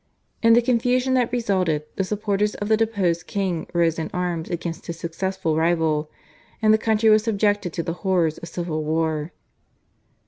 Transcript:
In the confusion that resulted the supporters of the deposed king rose in arms against his successful rival, and the country was subjected to the horrors of civil war.